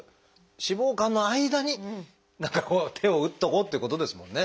脂肪肝の間に何か手を打っとこうってことですもんね。